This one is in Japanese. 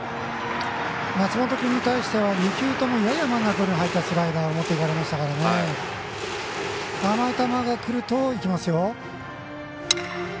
松本君に対しては２球ともやや甘めのスライダーを持っていかれましたからね甘い球がくるといきますよ。